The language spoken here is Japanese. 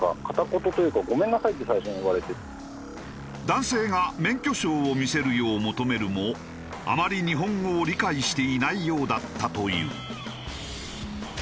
男性が免許証を見せるよう求めるもあまり日本語を理解していないようだったという。